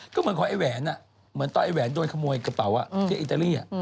ก็เหมือนของไอ้แหวนเหมือนตอนไอ้แหวนโดนขโมยกระเป๋าที่อิตาลี